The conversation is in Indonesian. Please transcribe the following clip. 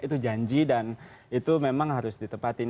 itu janji dan itu memang hal yang harus diperhatikan